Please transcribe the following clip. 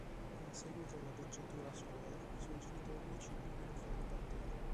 In seguito alla bocciatura a scuola i suoi genitori decidono di non farlo partire.